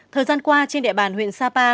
thời gian qua trên địa bàn huyện sapa